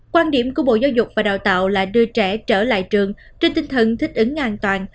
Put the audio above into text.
quan điểm của bộ giáo dục và đào tạo là đưa trẻ trở lại trường trên tinh thần thích ứng an toàn